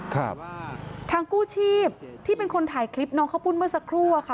ครับทางกู้ชีพที่เป็นคนถ่ายคลิปน้องข้าวปุ้นเมื่อสักครู่อะค่ะ